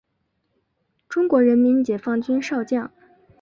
中国人民解放军少将。